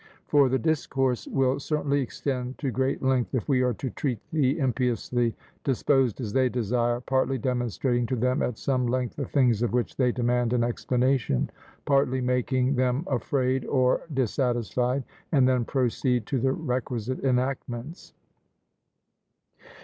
For the discourse will certainly extend to great length, if we are to treat the impiously disposed as they desire, partly demonstrating to them at some length the things of which they demand an explanation, partly making them afraid or dissatisfied, and then proceed to the requisite enactments.